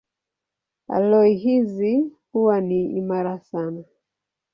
Aloi hizi huwa ni imara sana.